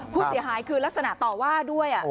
ผู้เสียหายคือลักษณะต่อว่าด้วย